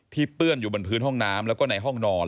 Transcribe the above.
เปื้อนอยู่บนพื้นห้องน้ำแล้วก็ในห้องนอน